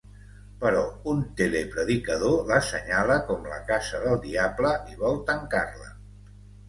Però un telepredicador la senyala com la casa del Diable i vol tancar-la.